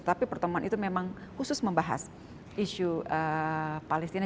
tapi pertemuan itu memang khusus membahas isu palestina